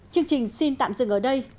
chương trình xin tạm dừng ở đây